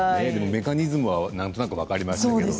メカニズムはなんとなく分かりましたけれど